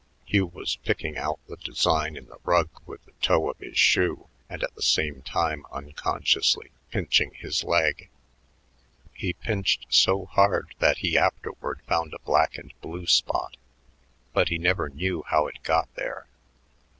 Hugh was picking out the design in the rug with the toe of his shoe and at the same time unconsciously pinching his leg. He pinched so hard that he afterward found a black and blue spot, but he never knew how it got there.